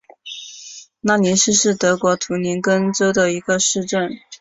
拉尼斯是德国图林根州的一个市镇。